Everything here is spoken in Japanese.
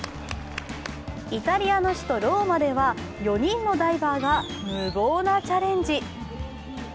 イタリアの首都ローマでは、４人のダイバーが無謀なチャレンジ。